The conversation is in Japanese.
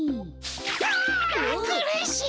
ああっくるしい！